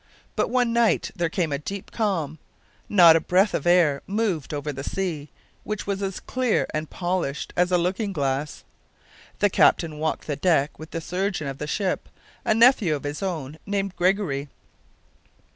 But one night there came a deep calm. Not a breath of air moved over the sea, which was as clear and polished as a looking glass. The captain walked the deck with the surgeon of the ship, a nephew of his own, named Gregory.